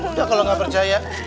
udah kalau gak percaya